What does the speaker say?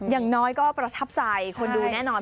อย่างน้อยก็ประทับใจคนดูแน่นอน